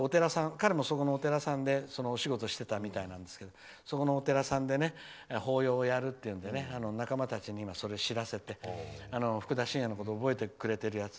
彼も、そのお寺さんでお仕事をしてたみたいなんですけどそこのお寺さんで法要をやるというので仲間たちに今それを知らせてふくだしんやのことを覚えてくれてるやつ。